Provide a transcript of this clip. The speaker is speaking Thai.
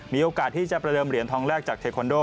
มีโอกาสที่จะประเดิมเหรียญทองแรกจากเทคอนโด